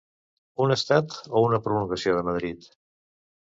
Un Estat o una prolongació de Madrid.